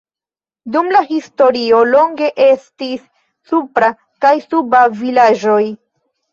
Dum la historio longe estis "Supra" kaj "Suba" vilaĝoj.